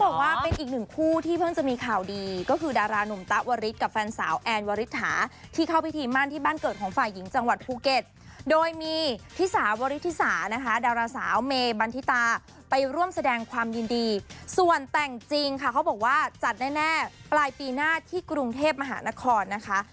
บอกว่าเป็นอีกหนึ่งคู่ที่เพิ่งจะมีข่าวดีก็คือดารานุ่มตะวริสกับแฟนสาวแอนวริถาที่เข้าพิธีมั่นที่บ้านเกิดของฝ่ายหญิงจังหวัดภูเก็ตโดยมีพี่สาวริธิสานะคะดาราสาวเมบันทิตาไปร่วมแสดงความยินดีส่วนแต่งจริงค่ะเขาบอกว่าจัดแน่ปลายปีหน้าที่กรุงเทพมหานครนะคะ